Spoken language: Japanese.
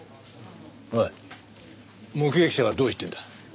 おい目撃者はどう言ってるんだ？